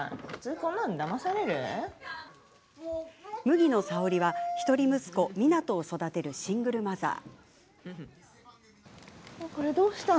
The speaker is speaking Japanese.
麦野早織は、一人息子湊を育てるシングルマザー。